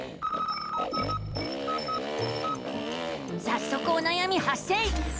さっそくおなやみはっ生！